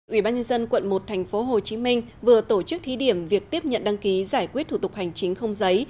ủy ban nhân dân quận một tp hcm vừa tổ chức thí điểm việc tiếp nhận đăng ký giải quyết thủ tục hành chính không giấy